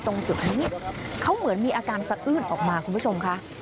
ตรงจุดนี้เขาเหมือนมีอาการสะอื้นออกมาคุณผู้ชมค่ะ